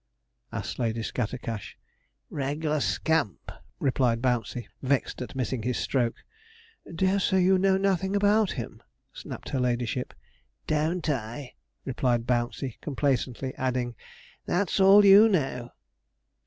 asked Lady Scattercash. 'Reg'lar scamp,' replied Bouncey, vexed at missing his stroke. 'Dare say you know nothing about him,' snapped her ladyship. 'Don't I?' replied Bouncey complacently; adding, 'that's all you know.'